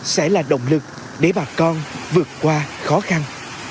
sẽ là động lực để bà con vượt qua khó khăn